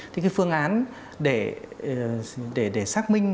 thì cái phương án để xác minh và xác định được là đối tượng cá con này